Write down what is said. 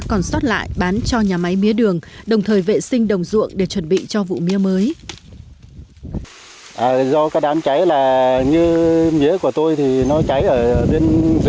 còn xót lại bán cho nhà máy mía đường đồng thời vệ sinh đồng ruộng để chuẩn bị cho nhà máy mía đường